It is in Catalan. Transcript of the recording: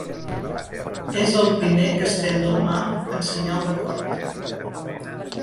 És el primer que estén la mà en senyal d'acord.